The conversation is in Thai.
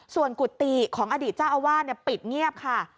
ส่วนกุฏิของอดีตเจ้าอาวาสปิดเงียบค่ะ